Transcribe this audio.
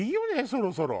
そろそろ。